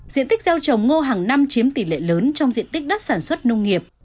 diện tích gieo trồng ngô hàng năm chiếm tỷ lệ lớn trong diện tích đất sản xuất nông nghiệp